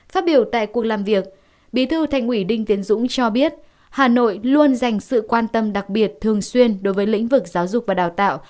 phát biểu tại cuộc làm việc bí thư thành ủy đinh tiến dũng cho biết hà nội luôn dành sự quan tâm đặc biệt thường xuyên đối với lĩnh vực giáo dục và đào tạo